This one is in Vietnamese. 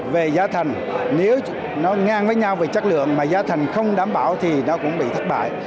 về giá thành nếu nó ngang với nhau về chất lượng mà giá thành không đảm bảo thì nó cũng bị thất bại